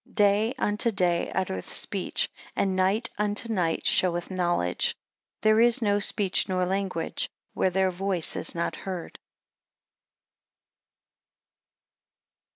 Day unto day uttereth speech, and night unto night showeth knowledge. There is no speech nor language where their voice is not heard.